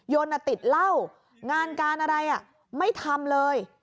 ยนติดเหล้างานการอะไรไม่ทำเลย